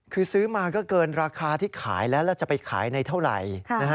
คือซื้อมาก็เกินราคาที่ขายแล้วแล้วจะไปขายในเท่าไหร่